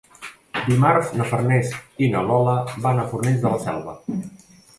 Dimarts na Farners i na Lola van a Fornells de la Selva.